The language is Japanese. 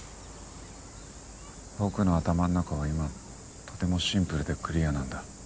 僕の頭の中は今とてもシンプルでクリアなんだ。